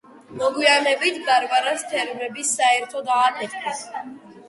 მოგვიანებით ბარბარას თერმები საერთოდ ააფეთქეს.